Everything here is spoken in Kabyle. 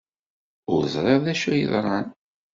Ur ẓriɣ d acu ay yeḍran.